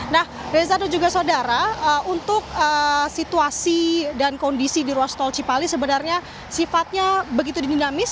nah reza dan juga saudara untuk situasi dan kondisi di ruas tol cipali sebenarnya sifatnya begitu di dinamis